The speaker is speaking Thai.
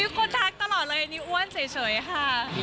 คนทักตลอดเลยอันนี้อ้วนเฉยค่ะ